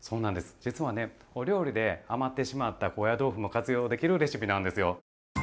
実はねお料理で余ってしまった高野豆腐も活用できるレシピなんですよ。